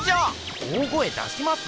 大声だします？